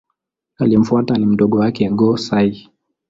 Aliyemfuata ni mdogo wake Go-Sai.